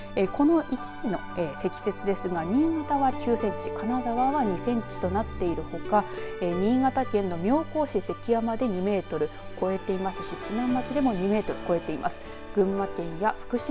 この１時の積雪ですが新潟は９センチ金沢は２センチとなっているほか新潟県の、妙高市関山で２メートルを超えていますし津南町でも２メートルを超えています。